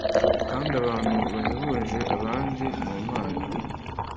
kandi abantu bahebuje abandi mu mpano,